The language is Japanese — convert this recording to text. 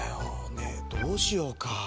ねえどうしようか。